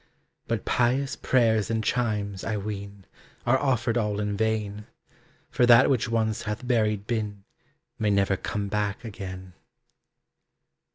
But pious prayers and chimes, I ween, Are offered all in vain. For that which once hath buried been May never come back again.